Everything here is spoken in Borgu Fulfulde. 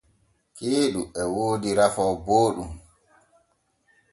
Ceeɗu e woodi rafoo booɗɗum.